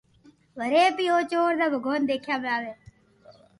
وري بي او چور ني ڀگوان دآکيا ۾ آوي